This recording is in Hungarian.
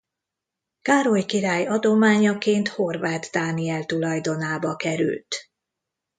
Károly király adományaként Horváth Dániel tulajdonába került.